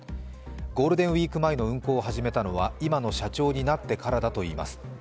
ゴールデンウイーク前の運航を始めたのは今の社長になってからだといいます。